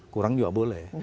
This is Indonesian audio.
kurang juga boleh